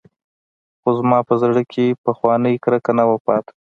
خو زما په زړه کښې پخوانۍ کرکه نه وه پاته.